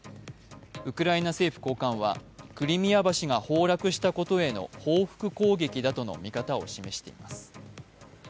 ウクライナ政府高官はクリミア橋が崩落したことへの報復攻撃だとの見方を示しています。